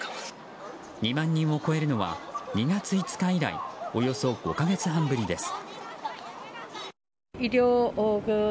２万人を超えるのは２月５日以来およそ５か月半ぶりです。